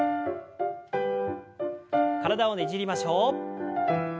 体をねじりましょう。